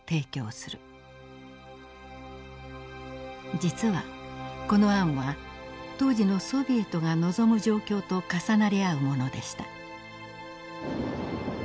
実はこの案は当時のソビエトが望む状況と重なり合うものでした。